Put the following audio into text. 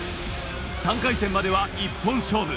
３回戦までは一本勝負。